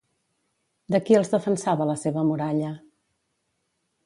De qui els defensava la seva muralla?